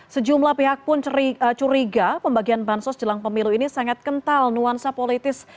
sejumlah pihak pun curiga pembagian bansos jelang pemilu ini sangat kental nuansa politis